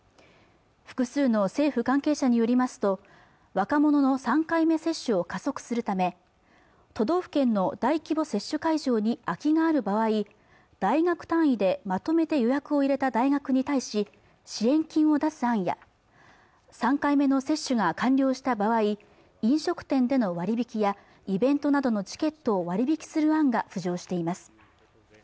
複数の政府関係者によりますと若者の３回目接種を加速するため都道府県の大規模接種会場に空きのある場合大学単位でまとめて予約を入れた大学に対し支援金を出す案や３回目の接種が完了した場合飲食店での割引やイベントなどのチケットを割引する案が浮上しています